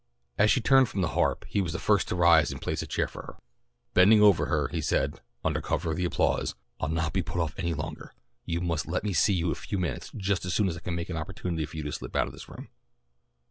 As she turned from the harp he was the first to rise and place a chair for her. Bending over her he said, under cover of the applause, "I'll not be put off any longer. You must let me see you a few minutes just as soon as I can make an opportunity for you to slip out of the room."